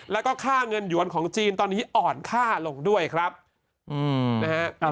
แล้วก็ค่าเงินหยวนของจีนตอนนี้อ่อนค่าลงด้วยครับนะฮะ